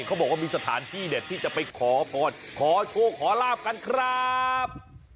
เขาบอกว่ามีสถานที่เด็ดที่จะไปขอพรขอโชคขอลาบกันครับ